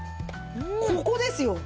ここですよ。